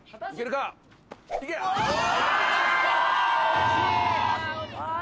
惜しい。